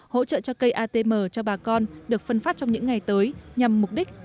hỗ trợ cho cây atm cho bà con được phân phát trong những ngày tới nhằm mục đích